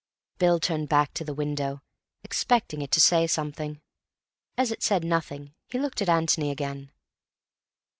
Bill turned back to the window, expecting it to say something. As it said nothing, he looked at Antony again.